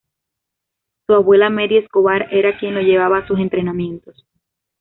Su abuela Mery Escobar era quien lo llevaba a sus entrenamientos.